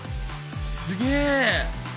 すげえ！